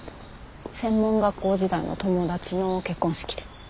専門学校時代の友達の結婚式で。